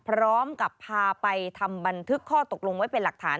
พร้อมกับพาไปทำบันทึกข้อตกลงไว้เป็นหลักฐาน